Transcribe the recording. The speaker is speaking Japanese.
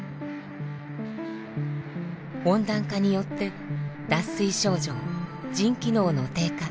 温暖化によって脱水症状腎機能の低下